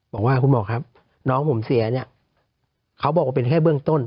บอกว่าคุณหมอครับน้องผมเสียเนี่ยเขาบอกว่าเป็นแค่เบื้องต้น